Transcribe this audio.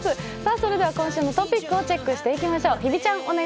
それでは今週のトピックをチェックしていきましょう。